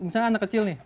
misalnya anak kecil nih